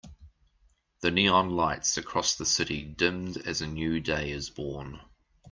The neon lights across the city dimmed as a new day is born.